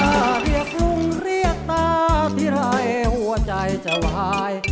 ถ้าเรียกลุงเรียกตาที่ไรหัวใจจะวาย